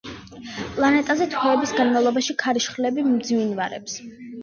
პლანეტაზე თვეების განმავლობაში ქარიშხლები მძვინვარებს.